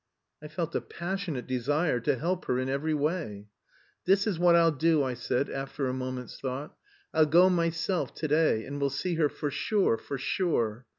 I felt a passionate desire to help her in every way. "This is what I'll do," I said, after a moment's thought. "I'll go myself to day and will see her for sure, for sure.